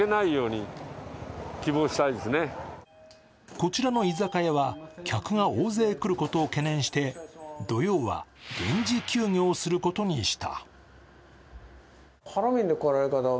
こちらの居酒屋は、客が大勢来ることを懸念して土曜は臨時休業することにした。